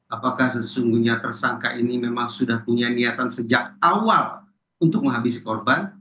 apakah sesungguhnya tersangka ini memang sudah punya niatan sejak awal untuk menghabisi korban